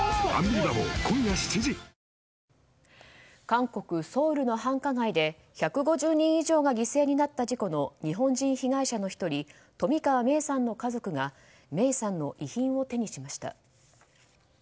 韓国ソウルの繁華街で１５０人以上が犠牲になった事故の日本人被害者の１人冨川芽生さんの家族が芽生さんの遺品を手にしました。